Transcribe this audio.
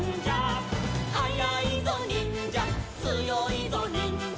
「はやいぞにんじゃつよいぞにんじゃ」